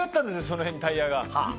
その辺にタイヤが。